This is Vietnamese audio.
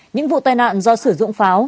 những vụ tai nạn do sử dụng pháo